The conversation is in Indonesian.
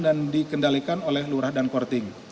dan dikendalikan oleh lurah dan korting